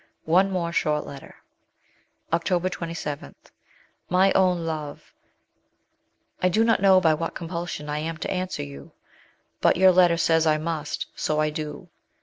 One more short letter : October 27. MY OWN LOVE, I do not know by what compulsion I am to answer you, but your letter says I must ; so I do.